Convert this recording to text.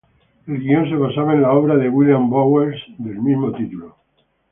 El guion se basaba en la obra de William Bowers del mismo título.